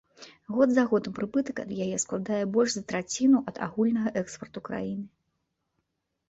Год за годам прыбытак ад яе складае больш за траціну ад агульнага экспарту краіны.